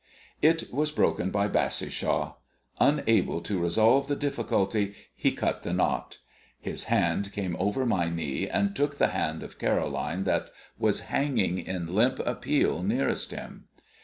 It was broken by Bassishaw. Unable to solve the difficulty, he cut the knot. His hand came over my knee, and took the hand of Caroline that was hanging in limp appeal nearest him.